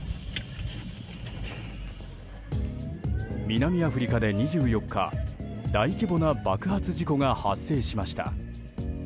南アフリカで２４日大規模な爆発事故が発生しました。